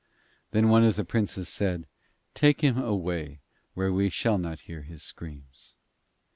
Then one of the Princes said: 'Take him away where we shall not hear his screams.'